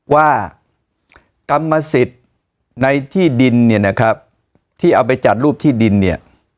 ว่ากรรมสิทธิ์ในที่ดินเนี่ยนะครับที่เอาไปจัดรูปที่ดินเนี่ย